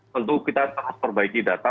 lalu kita terus perbaiki data